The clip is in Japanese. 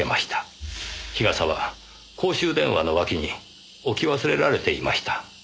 日傘は公衆電話の脇に置き忘れられていました。